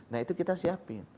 nah itu kita siapin